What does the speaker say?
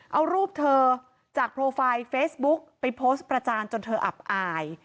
เอารูปเธอจากโปรไฟล์เฟซบุ๊กไปโพสต์ประจานจนเธออับอาย